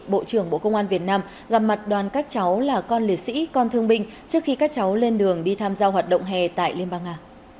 bộ trưởng bộ công an việt nam gặp mặt đoàn các cháu là con liệt sĩ con thương binh trước khi các cháu lên đường đi tham gia hoạt động hè tại liên bang nga